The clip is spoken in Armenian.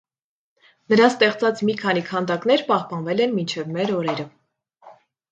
Նրա ստեղծած մի քանի քանդակներ պահպանվել են մինչև մեր օրերը։